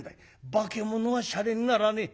「化物はシャレにならねえ」。